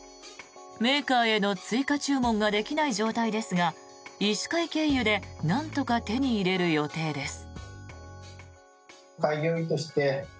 メーカーへの追加注文ができない状態ですが医師会経由でなんとか手に入れる予定です。